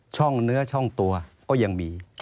เนื้อช่องตัวก็ยังมี